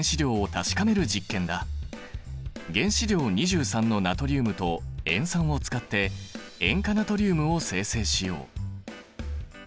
原子量２３のナトリウムと塩酸を使って塩化ナトリウムを生成しよう。